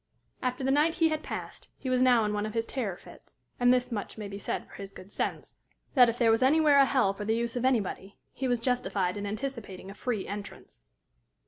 After the night he had passed, he was now in one of his terror fits; and this much may be said for his good sense that, if there was anywhere a hell for the use of anybody, he was justified in anticipating a free entrance.